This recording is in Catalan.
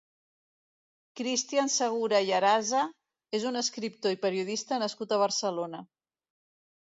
Cristian Segura i Arasa és un escriptor i periodista nascut a Barcelona.